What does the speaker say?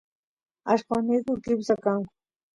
allqosniyku kimsa kanku